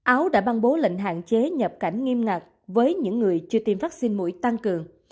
áo đã ban bố lệnh hạn chế nhập cảnh nghiêm ngặt với những người chưa tiêm vaccine mũi tăng cường